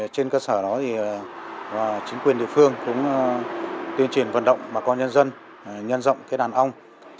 trên cơ sở đó thì chính quyền địa phương cũng tuyên truyền vận động bà con nhân dân nhân rộng cái đàn ong